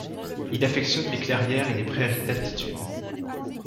Il affectionne les clairières et les prairies d'altitude.